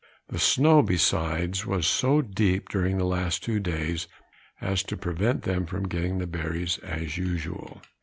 The snow besides was so deep during the last two days, as to prevent them from getting the berries as usual.